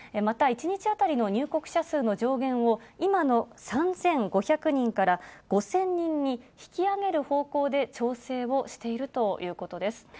また、１日当たりの入国者数の上限を、今の３５００人から５０００人に引き上げる方向で調整をしているということです。